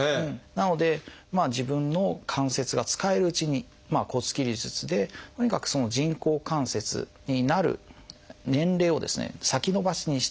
なので自分の関節が使えるうちに骨切り術でとにかく人工関節になる年齢を先延ばしにしたい。